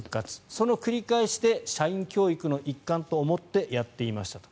その繰り返しで社員教育の一環と思ってやっていましたと。